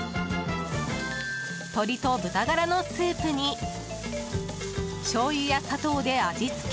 鶏と豚ガラのスープにしょうゆや砂糖で味付け。